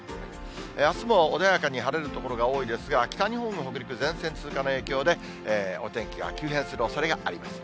あすも穏やかに晴れる所が多いですが、北日本と北陸、前線通過の影響で、お天気が急変するおそれがあります。